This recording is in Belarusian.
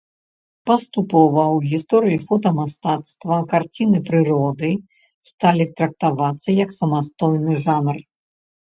Паступова ў гісторыі фотамастацтва карціны прыроды сталі трактавацца як самастойны жанр.